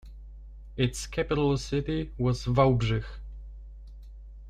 Its capital city was Wałbrzych.